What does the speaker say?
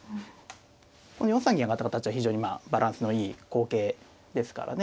この４三銀上がった形は非常にまあバランスのいい好形ですからね。